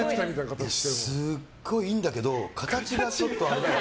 すごいいいんだけど形がちょっと。